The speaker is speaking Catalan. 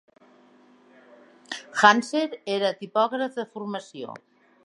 Hansen era tipògraf de formació.